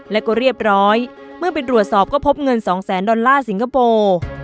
และก็เรียบร้อยเมื่อไปตรวจสอบก็พบเงิน๒แสนดอลลาร์สิงคโปร์